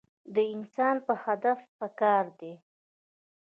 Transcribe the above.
د انسان پۀ هدف پکار دے -